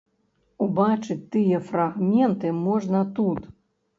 Убачыць тыя фрагменты можна тут.